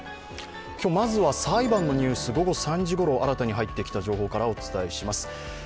今日まずは裁判のニュース午後３時ごろ新たに入ってきた情報からお伝えします。